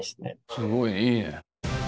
すごいねいいね。